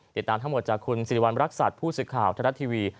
ติดตามทั้งหมดจากคุณศิลวันรักษาผู้สิทธิ์ข่าวถ้าตัดทีวี